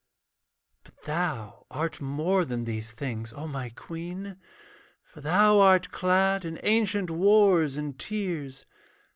But thou art more than these things, O my queen, For thou art clad in ancient wars and tears.